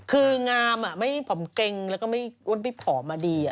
คืองามไม่ผ่มเก็งแล้วไม่บทฟอมมาดี